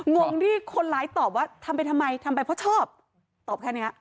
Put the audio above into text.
งงที่คนร้ายตอบว่าทำไปทำไมทำไปเพราะชอบตอบแค่เนี้ย